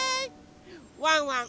ワンワン